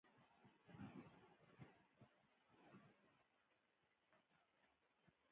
په دې توګه د تولید ډول بدلون مومي.